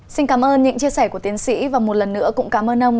xin cảm ơn những chia sẻ của tiến sĩ và một lần nữa cũng cảm ơn ông